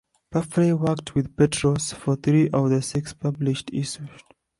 Parfrey worked with Petros for three of the six published issues.